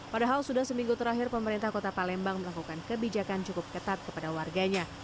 padahal sudah seminggu terakhir pemerintah kota palembang melakukan kebijakan cukup ketat kepada warganya